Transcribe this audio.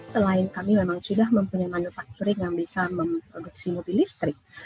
selain kami memang sudah mempunyai manufakturing yang bisa memproduksi mobil listrik